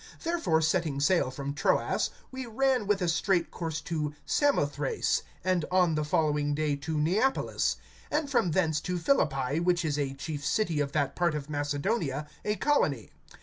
(11)Therefore setting sail from Troas, we ran with a straight course to Samothrace, and on the following day to Neapolis; (12)and from thence to Philippi, which is a chief city of that part of Macedonia, a colony.